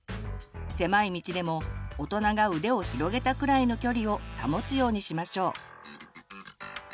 狭い道でも大人が腕を広げたくらいの距離を保つようにしましょう。